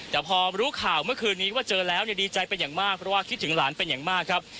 แต่พอรู้ข่าวเมื่อคืนนี้ว่าเจอแล้วดีใจเป็นอย่างมากเพราะว่าคิดถึงหลานเป็นอย่างมากครับ